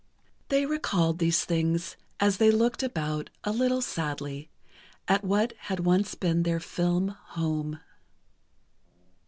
They recalled these things as they looked about a little sadly, at what had once been their film home.